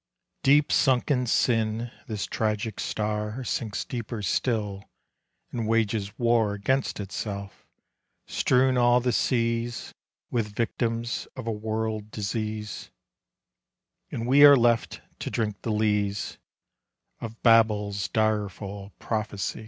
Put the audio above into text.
1 >eep sunk m sin, this tragic ^tat Sinks deeper still, and wages wai \^ainst itself; strewn all the seas With victims of a world d — And we are left to drink the lees ' h Babel's direful prophe .